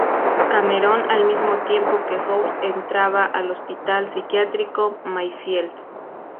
Cameron al mismo tiempo que House entraba al hospital psiquiátrico Mayfield.